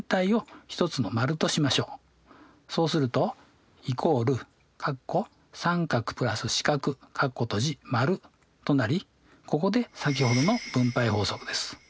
そうするととなりここで先ほどの分配法則です。